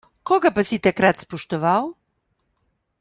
Koga pa si takrat spoštoval?